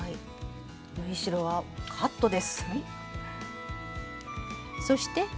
縫い代はカットです。